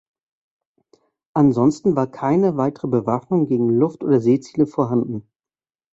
Ansonsten war keine weitere Bewaffnung gegen Luft- oder Seeziele vorhanden.